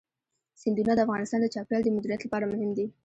سیندونه د افغانستان د چاپیریال د مدیریت لپاره مهم دي.